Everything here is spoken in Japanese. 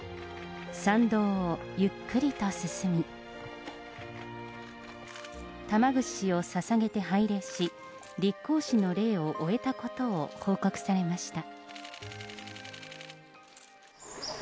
参道をゆっくりと進み、玉串をささげて拝礼し、立皇嗣の礼を終えたことを報告されました。